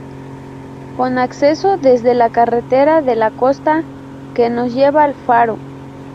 Con acceso desde la carretera de la Costa que nos lleva al faro.